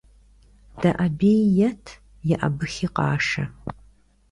ДэӀэбеи ет, еӀэбыхи къашэ.